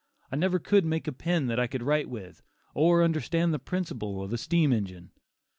I never could make a pen that I could write with, or understand the principle of a steam engine.